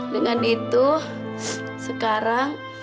dengan itu sekarang